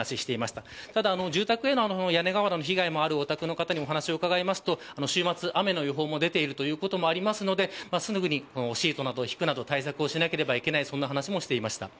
ただ住宅への屋根瓦の被害もあるお宅の方に話を聞くと週末雨の予報も出ているということもあるのですぐにシートを敷くなど対策をしなければいけないという話もしていました。